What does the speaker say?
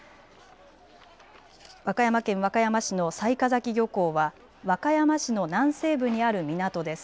和歌山県和歌山市の雑賀崎漁港は和歌山市の南西部にある港です。